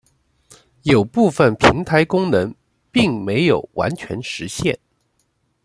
有部分平台功能并没有完全实现。